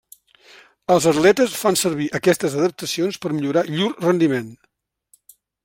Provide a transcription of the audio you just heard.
Els atletes fan servir aquestes adaptacions per millorar llur rendiment.